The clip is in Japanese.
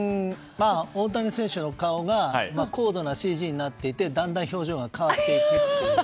大谷選手の顔が高度なＣＧになっていてだんだん表情が変わっていくっていう。